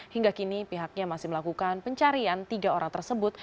hingga kini pihaknya masih melakukan pencarian tiga orang tersebut